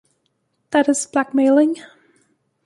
That is blackmailing.